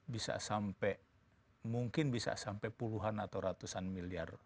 bisa sampai mungkin bisa sampai puluhan atau ratusan miliar